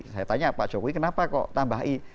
saya tanya pak jokowi kenapa kok tambah i